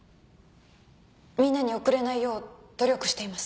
みんなに遅れないよう努力しています。